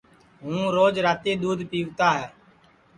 ہوں روج راتی دؔودھ پیوتا ہے